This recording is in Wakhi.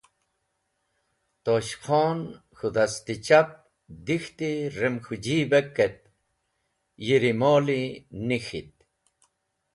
Tosh Khon k̃hũ dast-e chapi dek̃hti rem k̃hũ jibek et yi rumoli nik̃ht.